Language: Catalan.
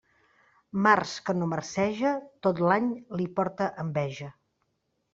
Març que no marceja, tot l'any li porta enveja.